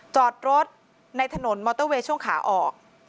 จอดรถในถนนมอเตอร์เวย์ช่วงขาออก